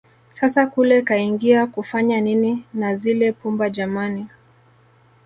Sasa kule kaingia kufanya nini na zile pumba jamani